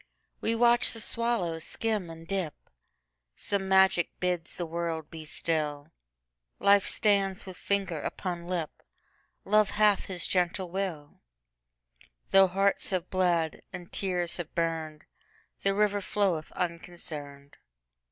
We watch the swallow skim and dip; Some magic bids the world be still; Life stands with finger upon lip; Love hath his gentle will; Though hearts have bled, and tears have burned, The river floweth unconcerned.